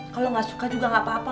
kalo gak suka juga gak apa apa